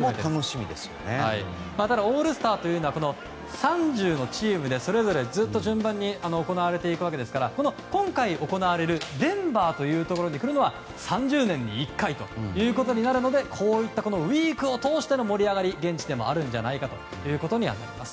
オールスターというのは３０のチームでずっと順番に行われていくわけですから今回行われるデンバーに来るのは３０年に１回になるのでこうやってウィークを通しての盛り上がりが現地を通してもあるんじゃないかということです。